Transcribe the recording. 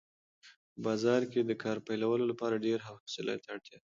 په بازار کې د کار پیلولو لپاره ډېرې حوصلې ته اړتیا ده.